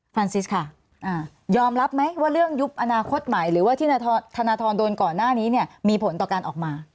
รานซิสค่ะยอมรับไหมว่าเรื่องยุบอนาคตใหม่หรือว่าที่ธนทรโดนก่อนหน้านี้เนี่ยมีผลต่อการออกมา